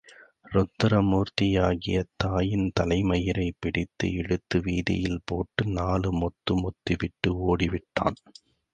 ருத்ரமூர்த்தியாகித் தாயின் தலைமயிரைப் பிடித்து இழுத்து வீதியில் போட்டு நாலு மொத்து மொத்திவிட்டு ஒடிவிட்டான்.